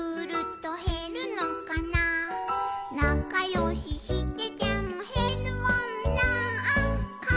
「なかよししててもへるもんなー」